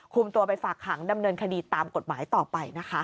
ตัวไปฝากขังดำเนินคดีตามกฎหมายต่อไปนะคะ